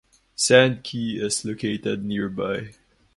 Sand Key is located nearby.